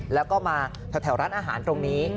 แล้วก็มาแถวร้านอาหารตรงนี้